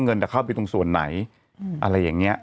จะเข้าไปตรงส่วนไหนอะไรอย่างนี้